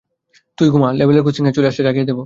তুই ঘুমা, level crossing এ আসলে জাগিয়ে দেব।